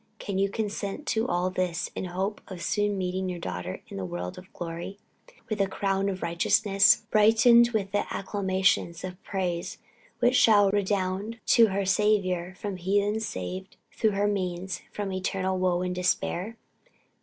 Can you consent to all this in hope of soon meeting your daughter in the world of glory, with a crown of righteousness, brightened by the acclamations of praise which shall redound to her Saviour from heathens saved, through her means, from eternal woe and despair?"